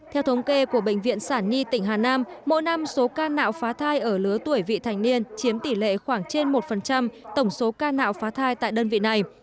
theo thống kê của bệnh viện sản nhi tỉnh hà nam mỗi năm số ca nạo phá thai ở lứa tuổi vị thanh niên chiếm tỷ lệ khoảng trên một tổng số ca nạo phá thai tại đất